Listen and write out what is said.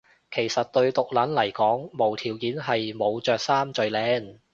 其實對毒撚嚟講無條件係冇着衫最靚